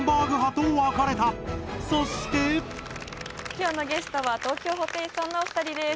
今日のゲストは東京ホテイソンのお二人です。